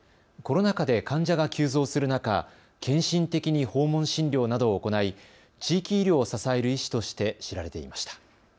コロナ禍で患者が急増する中、献身的に訪問診療などを行い地域医療を支える医師として知られていました。